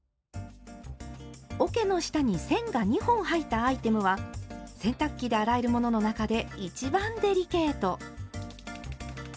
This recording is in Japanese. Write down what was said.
おけの下に線が２本入ったアイテムは洗濯機で洗えるものの中で一番デリケート。